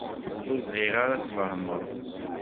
Ur bɣiɣ ara ad tfehmeḍ.